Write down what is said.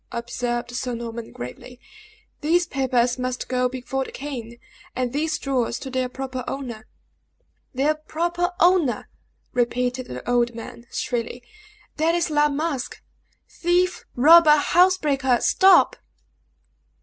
observed Sir Norman, gravely. "These papers must go before the king, and these jewels to their proper owner." "Their proper owner!" repeated the old man, shrilly; "that is La Masque. Thief robber housebreaker stop!"